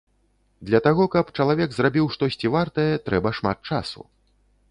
Для таго, каб чалавек зрабіў штосьці вартае, трэба шмат часу.